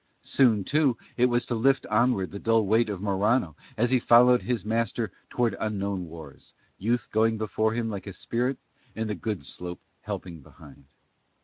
Soon, too, it was to lift onward the dull weight of Morano as he followed his master towards unknown wars, youth going before him like a spirit and the good slope helping behind.